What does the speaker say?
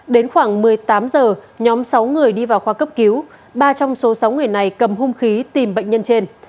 đến khoảng một mươi tám h nhóm sáu người đi vào khoa cấp cứu ba trong số sáu người này cầm hung khí tìm bệnh nhân trên